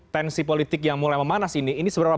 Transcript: tensi politik yang mulai memanas ini ini seberapa